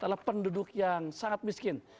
adalah penduduk yang sangat miskin